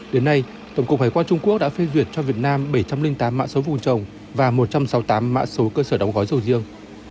đến nay tổng cục hải quan trung quốc đã phê duyệt cho việt nam bảy trăm linh tám mã số vùng trồng và một trăm sáu mươi tám mã số cơ sở đóng gói sầu riêng